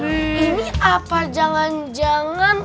ini apa jangan jangan